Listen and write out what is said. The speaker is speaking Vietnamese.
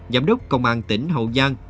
giám đốc công an tỉnh hậu giang